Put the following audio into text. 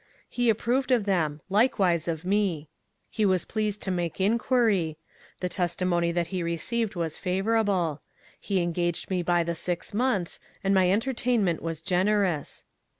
He approved of them; likewise of me. He was pleased to make inquiry. The testimony that he received was favourable. He engaged me by the six months, and my entertainment was generous.